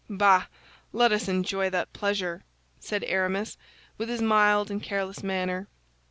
"Bah, let us enjoy that pleasure," said Aramis, with his mild and careless manner.